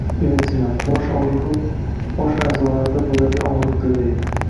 Ibn Sino: "Bosh og‘rig‘i bosh a’zolarida bo‘ladigan og‘riqdir" deydi.